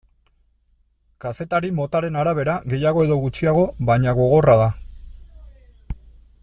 Kazetari motaren arabera gehiago edo gutxiago, baina, gogorra da.